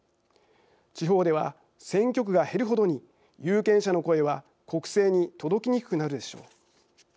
地方では選挙区が減るほどに有権者の声は国政に届きにくくなるでしょう。